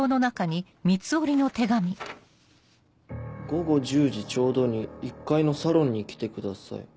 「午後１０時丁度に一階のサロンに来てください。